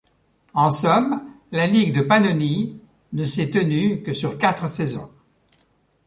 En somme, la Ligue de Pannonie ne s'est tenue que sur quatre saisons.